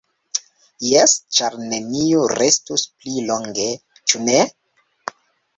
Jes, ĉar neniu restus pli longe, ĉu ne?